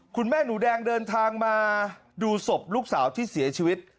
คุณแม่หนูแดงเดินทางมาดูศพลูกสาวที่เสียชีวิต